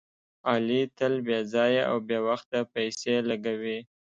علي تل بې ځایه او بې وخته پیسې لګوي.